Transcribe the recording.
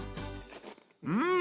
うん！